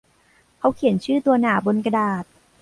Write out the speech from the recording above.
เขาเขียนชื่อตัวหนาบนหัวกระดาษ